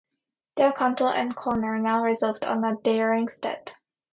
Del Canto and Korner now resolved on a daring step.